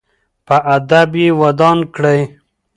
په ادب یې ودان کړئ.